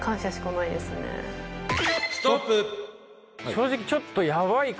正直ちょっと。